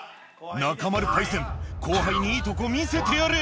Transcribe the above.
中丸パイセン後輩にいいとこ見せてやれ！